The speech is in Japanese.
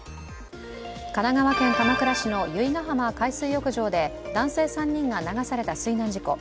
神奈川県鎌倉市の由比ガ浜海水浴場で男性３人が流された水難事故。